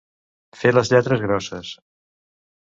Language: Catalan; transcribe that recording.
Fer les lletres grosses.